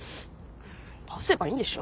出せばいいんでしょ。